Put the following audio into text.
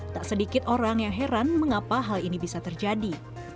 tak sedikit orang yang heran mengapa hal ini bisa terjadi